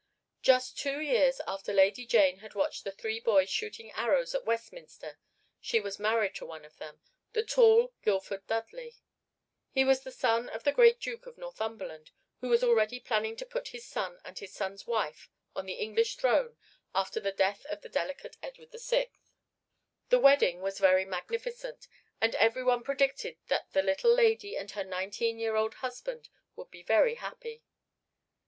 Just two years after Lady Jane had watched the three boys shooting arrows at Westminster she was married to one of them, the tall Guildford Dudley. He was the son of the great Duke of Northumberland, who was already planning to put his son and his son's wife on the English throne after the death of the delicate Edward VI. The wedding was very magnificent, and every one predicted that the little lady and her nineteen year old husband would be very happy.